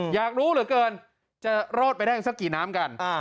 อยากรู้เหลือเกินจะรอดไปได้สักกี่น้ำกัน